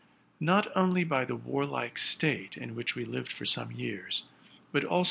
Not only by the warlike state in which we lived for some years, but also.